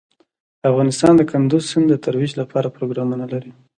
افغانستان د کندز سیند د ترویج لپاره پروګرامونه لري.